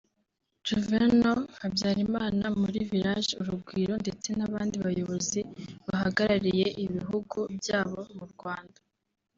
Juvénal Habyarimana muri « Village Urugwiro » ndetse n’abandi bayobozi bahagarariye ibihugu byabo mu Rwanda